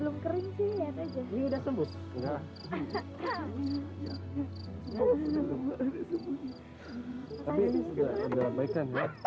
tapi ini sudah baikan ya